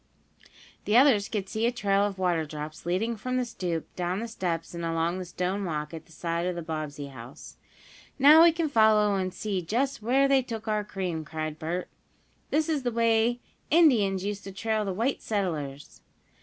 The others could see a trail of water drops leading from the stoop down the steps and along the stone walk at the side of the Bobbsey house. "Now we can follow and see just where they took our cream!" cried Bert. "This is the way Indians used to trail the white settlers."